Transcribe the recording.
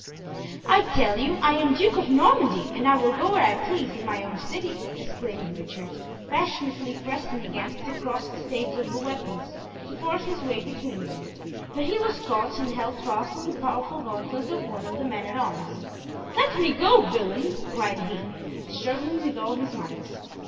"I tell you I am Duke of Normandy, and I will go where I please in my own city!" exclaimed Richard, passionately pressing against the crossed staves of the weapons, to force his way between them, but he was caught and held fast in the powerful gauntlet of one of the men at arms. "Let me go, villain!" cried he, struggling with all his might.